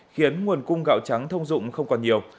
khiến nguồn cung gạo trắng thông dụng không còn nhiều